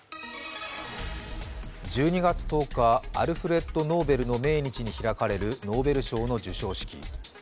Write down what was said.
１２月１０日、アルフレッド・ノーベルの命日に開かれるノーベル賞の授賞式。